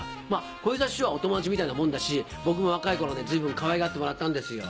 小遊三師匠はお友達みたいなもんだし僕も若い頃随分かわいがってもらったんですよ。